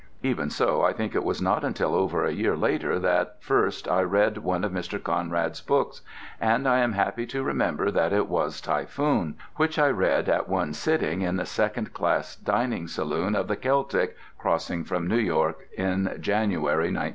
Even so, I think it was not until over a year later that first I read one of Mr. Conrad's books; and I am happy to remember that it was "Typhoon," which I read at one sitting in the second class dining saloon of the Celtic, crossing from New York in January, 1913.